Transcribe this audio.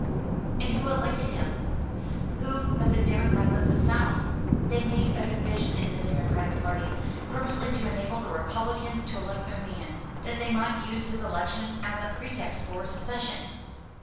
"And who elected him? who but the Democrats of the South? They made a division in the Democratic party, purposely to enable the Republicans to elect their man, that they might use his election as a pretext for secession."